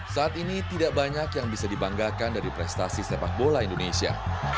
saat ini tidak banyak yang bisa dibanggakan dari prestasi sepak bola indonesia